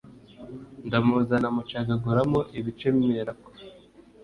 ndamuzana mucagaguramo ibice mperako